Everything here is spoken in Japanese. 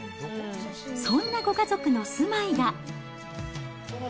そんなご家族の住まいが。